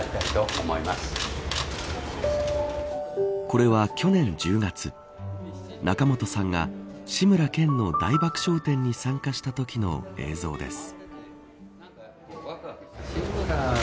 これは、去年１０月仲本さんが志村けんの大爆笑展に参加したときの映像です。